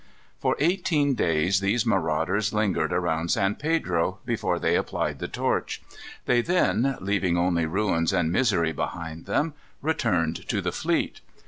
For eighteen days these marauders lingered around San Pedro, before they applied the torch. They then, leaving only ruins and misery behind them, returned to the fleet.